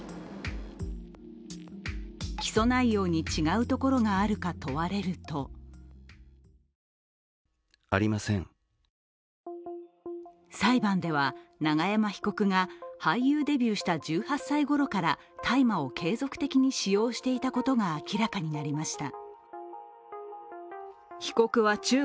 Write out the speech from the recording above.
起訴内容に違うところがあるか問われると裁判では永山被告が俳優デビューした１８歳ごろから大麻を継続的に使用していたことが明らかになりました。